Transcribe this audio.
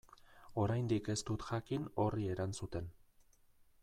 Oraindik ez dut jakin horri erantzuten.